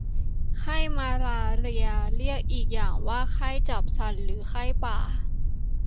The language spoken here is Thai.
ไข้มาลาเรีย เรียกอีกอย่างว่าไข้จับสั่น หรือไข้ป่า